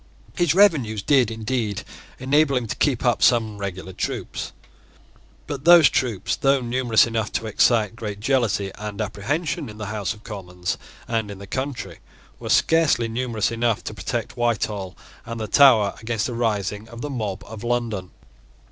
His revenues did indeed enable him to keep up some regular troops: but those troops, though numerous enough to excite great jealousy and apprehension in the House of Commons and in the country, were scarcely numerous enough to protect Whitehall and the Tower against a rising of the mob of London.